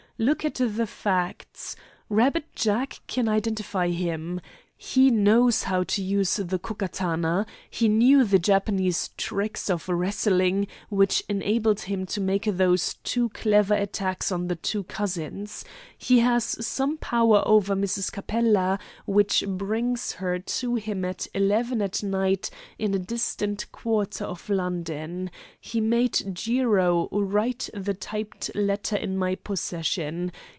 Look at the facts. 'Rabbit Jack' can identify him. He knew how to use the Ko Katana. He knew the Japanese tricks of wrestling, which enabled him to make those two clever attacks on the two cousins. He has some power over Mrs. Capella, which brings her to him at eleven at night in a distant quarter of London. He made Jiro write the typed letter in my possession.